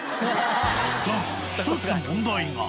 だが１つ問題が。